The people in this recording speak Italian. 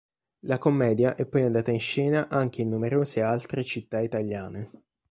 La commedia è poi andata in scena anche in numerose altre città italiane.